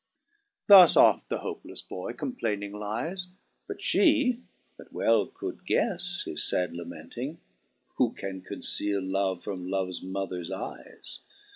4 Thus oft the hopelefle boy complayning lyes ; But fhe, that well could guefle his fad lamenting, (Who can conceal love from Loves mothers eyes